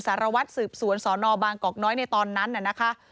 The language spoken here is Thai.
สารวัตรสืบสวนสนบางกอกน้อยในตอนนั้นน่ะนะคะ